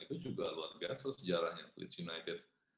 itu juga luar biasa sejarahnya cleach united